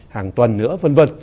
hàng tuần nữa v v